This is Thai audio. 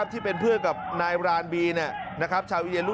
จริงจริงจริงจริงจริง